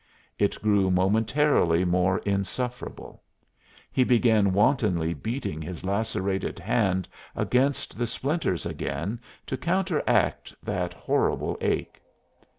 It grew momentarily more insufferable: he began wantonly beating his lacerated hand against the splinters again to counteract that horrible ache.